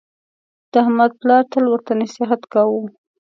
د احمد پلار تل ورته نصحت کاوه: